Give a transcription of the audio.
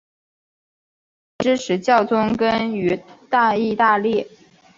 这些枢机支持教宗跟于意大利南部居住的诺曼人成为联盟。